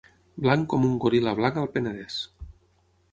Blanc com un goril·la blanc al Penedès.